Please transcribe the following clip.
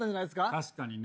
確かにね。